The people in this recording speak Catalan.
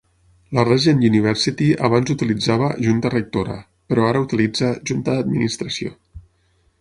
La Regent University abans utilitzava "Junta rectora", però ara utilitza "Junta d'administració".